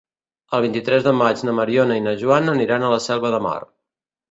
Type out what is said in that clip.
El vint-i-tres de maig na Mariona i na Joana aniran a la Selva de Mar.